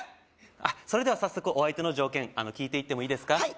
あっそれでは早速お相手の条件聞いていってもいいですか？